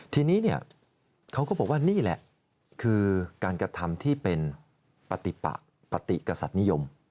ทีนี้เนี่ยเขาก็บอกว่านี่แหละคือการกระทำที่เป็นปฏิปะปฏิกษัตริยม